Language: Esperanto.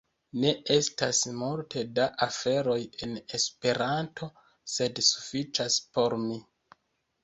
Ne estas multe da aferoj en Esperanto, sed sufiĉas por mi.